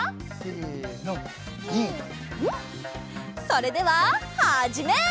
それでははじめい！